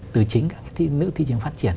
từ chính các nước thị trường phát triển